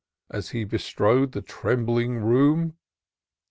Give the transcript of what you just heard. As he bestrode the trembling room.